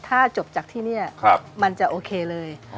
ถ้าจบจากที่นี่มันจะโอเคเลย